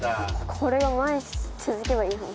これが毎日続けばいいのに。